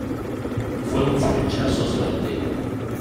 Fue un flechazo certero.